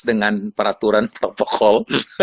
dengan peraturan topokol